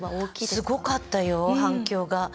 すごかったよ反響が。